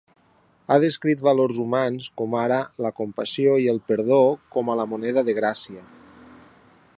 Ha descrit valors humans com ara la compassió i el perdó com a la "moneda de la gràcia".